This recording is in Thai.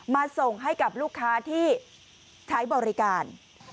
มาส่งให้กับลูกค้าที่ใช้บริการ